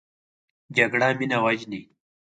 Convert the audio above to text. جګړه مینه وژني